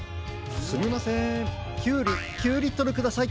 すみませんキュウリ９リットルください。